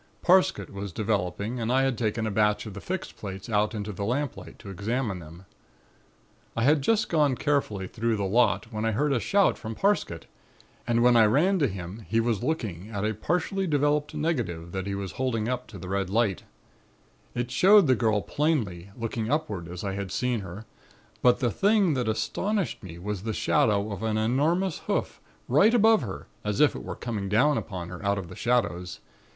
Parsket was developing and I had taken a batch of the fixed plates out into the lamplight to examine them. "I had just gone carefully through the lot when I heard a shout from Parsket and when I ran to him he was looking at a partly developed negative which he was holding up to the red lamp. It showed the girl plainly, looking upward as I had seen her, but the thing that astonished me was the shadow of an enormous hoof, right above her, as if it were coming down upon her out of the shadows.